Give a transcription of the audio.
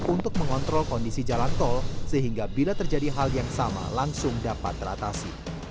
untuk mengontrol kondisi jalan tol sehingga bila terjadi hal yang sama langsung dapat teratasi